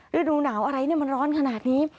ฤดูหนาวอะไรมันร้อนขนาดนี้